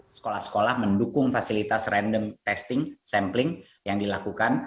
sekolah sekolah mendukung fasilitas random testing sampling yang dilakukan